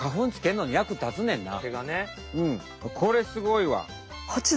これすごいわ。